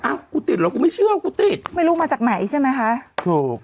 กูติดเหรอกูไม่เชื่อว่ากูติดไม่รู้มาจากไหนใช่ไหมคะถูก